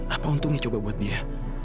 apa untungnya coba buat dia